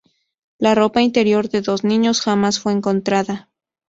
La ropa interior de dos niños jamás fue encontrada.